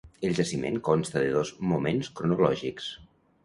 El jaciment consta de dos moments cronològics.